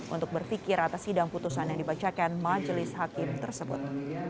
untuk berpikir atas sidang putusan yang dibacakan majelis hakim tersebut